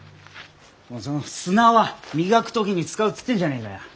もうその砂は磨く時に使うっつってんじゃねえかよ。